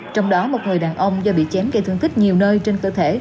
trong đó một người đàn ông do bị chém gây thương tích nhiều nơi trên cơ thể